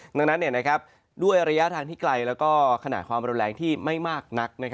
ดังนั้นด้วยระยะทางที่ไกลแล้วก็ขนาดความรุนแรงที่ไม่มากนัก